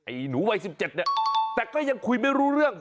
หนูวัย๑๗เนี่ยแต่ก็ยังคุยไม่รู้เรื่อง